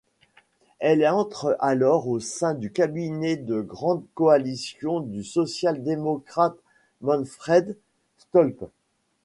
Elle entre alors au sein du cabinet de grande coalition du social-démocrate Manfred Stolpe.